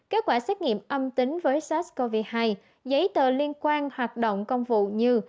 kết quả xét nghiệm âm tính với sars cov hai giấy tờ liên quan hoạt động công vụ như